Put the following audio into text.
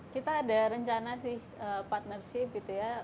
kita ada rencana sih partnership gitu ya